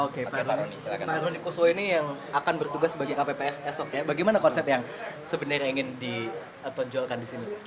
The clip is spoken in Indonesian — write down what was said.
oke pak roni kuswo ini yang akan bertugas sebagai kpps esok ya bagaimana konsep yang sebenarnya ingin ditonjolkan di sini